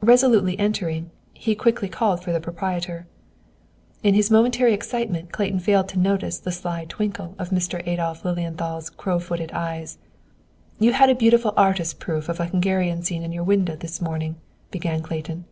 Resolutely entering, he quickly called for the proprietor. In his momentary excitement, Clayton failed to notice the sly twinkle of Mr. Adolph Lilienthal's crow footed eyes. "You had a beautiful artist proof of a Hungarian scene in your window this morning," began Clayton.